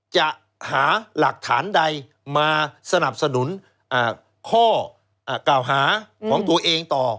จะหาหลักฐานใดมาสนับสนุนข้อกล่าวหาของตัวเองต่อ